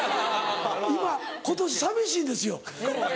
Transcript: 今今年寂しいんですよ。